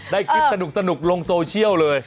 ได้คลิปสนุกลงโซเชียลเลย